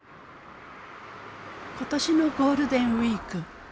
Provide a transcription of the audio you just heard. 今年のゴールデンウィーク